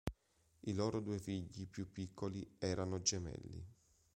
I loro due figli più piccoli erano gemelli.